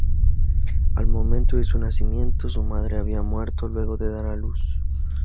Al momento de su nacimiento, su madre había muerto luego de dar a luz.